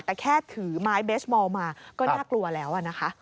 แต่แค่ถือไม้เบสมอลมาก็น่ากลัวแล้วนะคะ